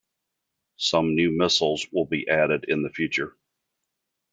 Some new missiles will be added in future.